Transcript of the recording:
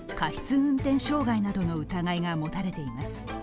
運転傷害などの疑いが持たれています。